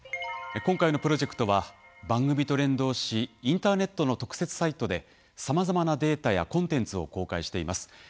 今回のプロジェクトは番組と連動しインターネットの特設サイトでさまざまなデータやコンテンツを公開しています。